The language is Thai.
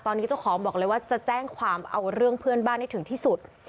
ตอนนี้เจ้าของบอกเลยว่าจะแจ้งความเอาเรื่องเพื่อนบ้านให้ถึงที่สุด